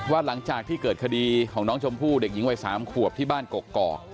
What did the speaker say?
หลังจากที่เกิดคดีของน้องชมพู่เด็กหญิงวัย๓ขวบที่บ้านกกอก